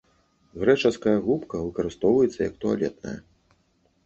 Грэчаская губка выкарыстоўваецца як туалетная.